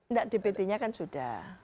enggak dpt nya kan sudah